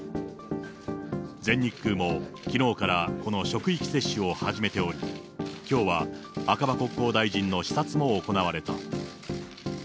全日空もきのうからこの職域接種を始めており、きょうは赤羽国交大臣の視察も行われた。